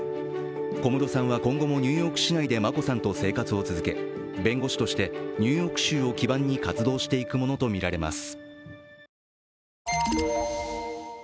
小室さんは今後もニューヨーク市内で眞子さんと生活を続け弁護士としてニューヨーク州を基盤に活動していくものとみられます。